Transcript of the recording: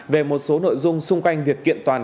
về một số nội dung xung quanh việc kiện toàn